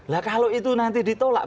lah kalau itu nanti ditolak